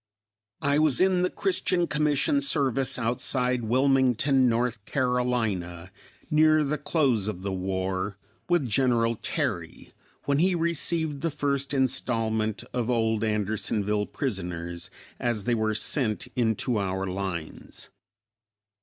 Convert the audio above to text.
I was in the Christian Commission service outside Wilmington, North Carolina, near the close of the war, with General Terry, when he received the first installment of old Andersonville prisoners as they were sent into our lines.